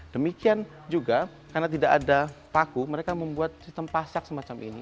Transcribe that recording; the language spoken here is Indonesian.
demikian juga karena tidak ada paku mereka membuat sistem pasak semacam ini